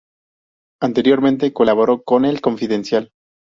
Anteriormente colaboró con El Confidencial.